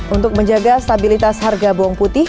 untuk menjaga stabilitas harga bawang putih